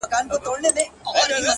خداى دي كړي خير گراني څه سوي نه وي-